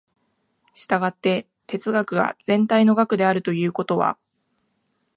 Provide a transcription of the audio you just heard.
従って哲学が全体の学であるということは、